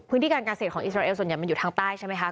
พื้นที่การเกษตรของอิสราเอลส่วนใหญ่มันอยู่ทางใต้ใช่ไหมคะ